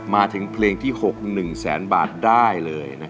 มาถึงเพลงที่๖๑แสนบาทได้เลย